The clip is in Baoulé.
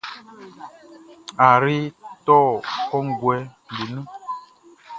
Ayrɛʼn tɔ kɔnguɛʼm be nun.